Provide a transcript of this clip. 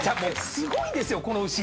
すごいんですよこの牛。